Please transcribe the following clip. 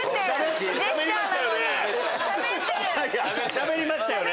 しゃべりましたよね！